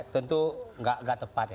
tentu tidak tepat